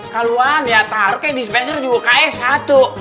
kaluan ya taruh ke dispenser juga ke satu